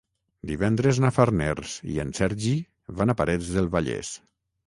Divendres na Farners i en Sergi van a Parets del Vallès.